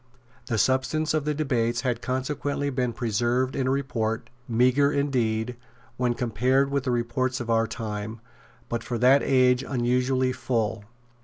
The substance of the debates has consequently been preserved in a report, meagre, indeed, when compared with the reports of our time, but for that age unusually full.